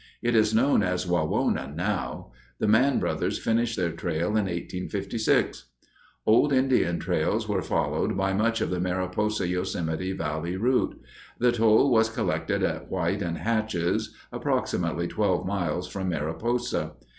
It is known as Wawona now. The Mann brothers finished their trail in 1856. Old Indian trails were followed by much of the Mariposa Yosemite Valley route. The toll was collected at White and Hatch's, approximately twelve miles from Mariposa.